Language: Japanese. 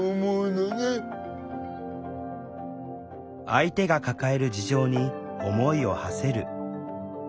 相手が抱える事情に思いをはせる。